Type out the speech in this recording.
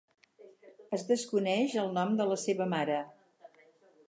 Es desconeix el nom de la seva mare.